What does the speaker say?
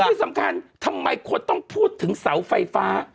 ที่สำคัญทำไมคนต้องพูดถึงเสาไฟฟ้า